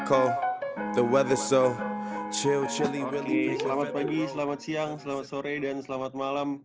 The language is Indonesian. oke selamat pagi selamat siang selamat sore dan selamat malam